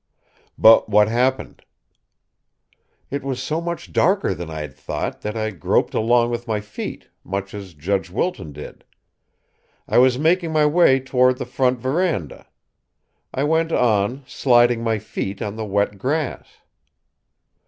"But what happened?" "It was so much darker than I had thought that I groped along with my feet, much as Judge Wilton did. I was making my way toward the front verandah. I went on, sliding my feet on the wet grass."